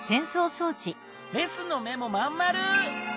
レスの目もまんまる。